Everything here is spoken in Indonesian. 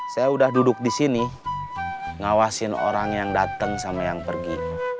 saya udah duduk di sini ngawasin orang yang datang sama yang pergi